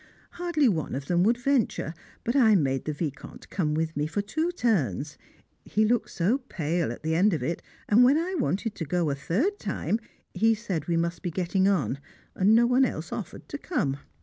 Hardly one of them would venture, but I made the Vicomte come with me for two turns; he looked so pale at the end of it, and when I wanted to go a third time, he said we must be getting on, and no one else offered to come.